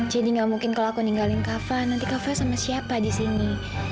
jadi gak mungkin kalau aku ninggalin kava nanti kava sama siapa disini